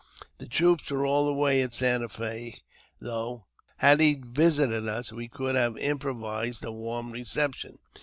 The troops were all away at Santa Fe; though, had he visited us, we could have improvised a warm reception.